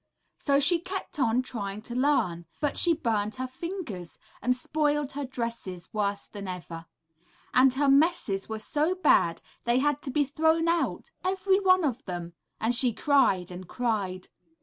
'' So she kept on trying to learn, but she burned her fingers and spoiled her dresses worse than ever, and her messes were so bad they had to be thrown out, every one of them; and she cried and cried.